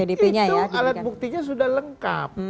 itu alat buktinya sudah lengkap